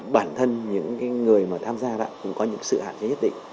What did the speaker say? bản thân những người mà tham gia cũng có những sự hạn chế nhất định